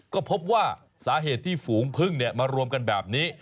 ก็พบว่าสาเหตุที่ฝูงพึ่งมารวมกันแบบนี้